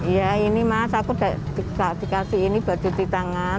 ya ini mas aku dikasih ini buat cuci tangan